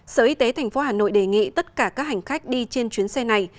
sở y tế thành phố hà nội đề nghị tất cả các hành khách đi trên chuyến xe này